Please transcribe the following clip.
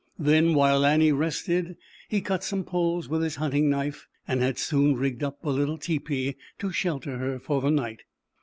Then, while Annie rested, he cut some poles with his hunting knife and had soon rigged up a little tepee to shelter her for the night.